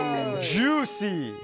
ジューシー！